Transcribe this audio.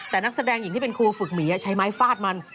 แต่นักแสดงหญิงที่เป็นครูฝึกหมีใช้ไม้ฟาดมัน